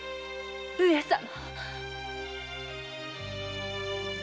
上様‼